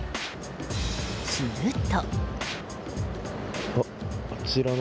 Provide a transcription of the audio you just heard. すると。